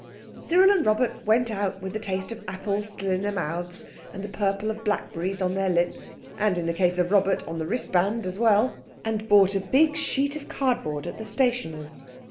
Cyril and Robert went out with the taste of apple still in their mouths and the purple of blackberries on their lips—and, in the case of Robert, on the wristband as well—and bought a big sheet of cardboard at the stationers.